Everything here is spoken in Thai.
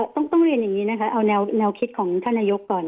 ต้องเรียนอย่างนี้นะคะเอาแนวคิดของท่านนายกก่อน